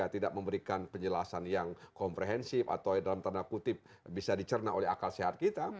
tidak memberikan penjelasan yang komprehensif atau dalam tanda kutip bisa dicerna oleh akal sehat kita